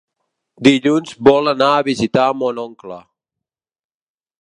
Dilluns vol anar a visitar mon oncle.